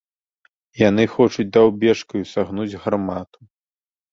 Яны хочуць даўбешкаю сагнуць гармату.